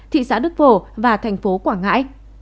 thị xã đức phổ và thành phố quảng ngãi